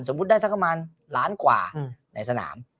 สมมุติได้สักกระมาณล้านกว่าในสนาม